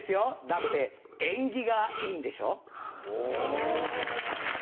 だってエンギがいいんでしょ？